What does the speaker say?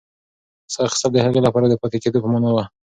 ساه اخیستل د هغې لپاره د پاتې کېدو په مانا وه.